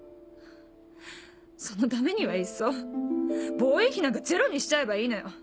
そのためにはいっそ防衛費なんかゼロにしちゃえばいいのよ。